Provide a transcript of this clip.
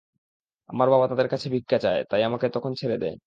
আমার বাবা তাদের কাছে ভিক্ষা চায়, তাই আমাকে তখন ছেড়ে দেয়।